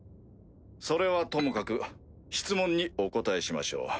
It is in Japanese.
それはともかく質問にお答えしましょう。